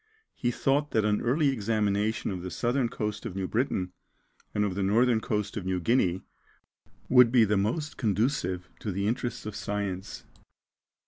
He thought that an early examination of the southern coast of New Britain, and of the northern coast of New Guinea, would be the most conducive to the interests of science.